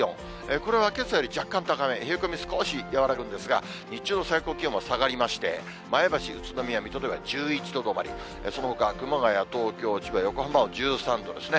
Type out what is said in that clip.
これはけさより若干高め、冷え込み少し和らぐんですが、日中の最高気温は下がりまして、前橋、宇都宮、水戸では１１度止まり、そのほか熊谷、東京、千葉、横浜は１３度ですね。